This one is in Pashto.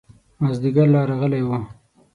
مازدیګر لا راغلی و.